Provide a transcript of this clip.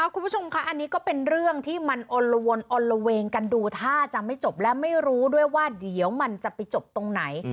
คุณผู้ชมค่ะอันนี้ก็เป็นเรื่องที่มันอลละวนอนละเวงกันดูท่าจะไม่จบและไม่รู้ด้วยว่าเดี๋ยวมันจะไปจบตรงไหน